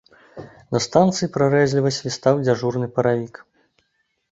На станцыі прарэзліва свістаў дзяжурны паравік.